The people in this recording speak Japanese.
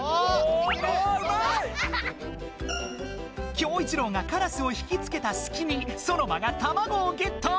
キョウイチロウがカラスを引きつけたすきにソノマがたまごをゲット！